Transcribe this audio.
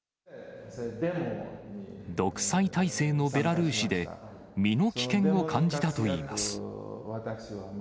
独裁体制のベラルーシで、身の危険を感じたといいます。